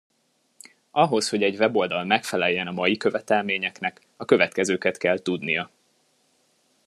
Ahhoz, hogy egy weboldal megfeleljen a mai követelményeknek, a következőket kell tudnia: